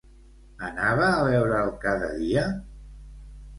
Anava a veure'l cada dia?